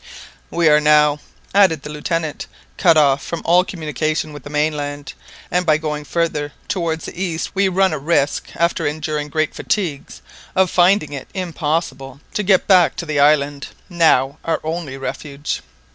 "We are now," added the Lieutenant, "cut off from all communication with the mainland, and by going farther towards the east we run a risk, after enduring great fatigues, of finding it impossible to get back to the island, now our only refuge.